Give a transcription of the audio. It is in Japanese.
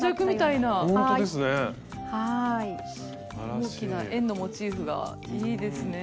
大きな円のモチーフがいいですねぇ。